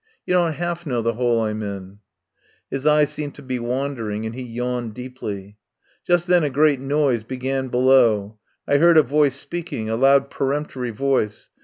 "You don't 'alf know the 'ole I'm in." His eye seemed to be wandering, and he yawned deeply. Just then a great noise began below. I heard a voice speaking, a loud peremptory voice.